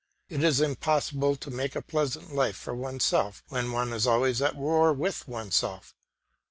It is impossible to make a pleasant life for oneself when one is always at war with oneself.